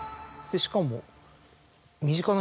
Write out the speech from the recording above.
しかも。